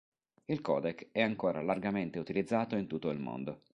Il codec è ancora largamente utilizzato in tutto il mondo.